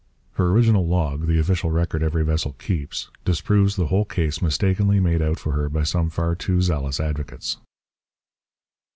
Her original log (the official record every vessel keeps) disproves the whole case mistakenly made out for her by some far too zealous advocates.